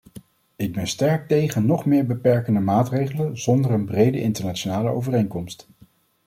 Ik ben sterk tegen nog meer beperkende maatregelen zonder een brede internationale overeenkomst.